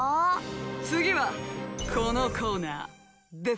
次はこのコーナーデス。